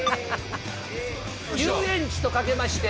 遊園地とかけまして。